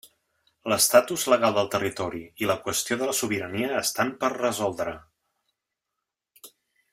L'estatus legal del territori i la qüestió de la sobirania estan per resoldre.